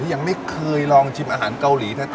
ยังไม่เคยลองชิมอาหารเกาหลีแท้